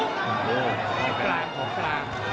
ของกลางของกลาง